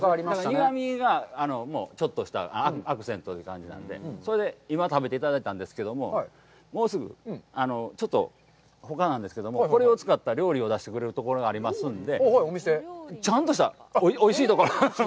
苦みがちょっとしたアクセントという感じなので、それで今、食べていただいたんですけども、もうすぐ、ちょっとほかなんですけども、これを使った料理を出してくれるところがありますんで。